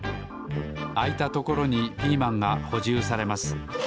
あいたところにピーマンがほじゅうされます。